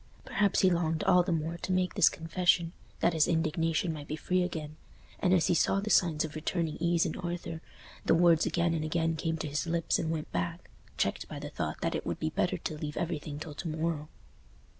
Perhaps he longed all the more to make this confession, that his indignation might be free again; and as he saw the signs of returning ease in Arthur, the words again and again came to his lips and went back, checked by the thought that it would be better to leave everything till to morrow.